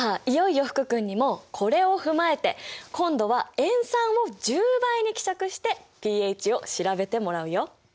いよいよ福君にもこれを踏まえて今度は塩酸を１０倍に希釈してｐＨを調べてもらうよ。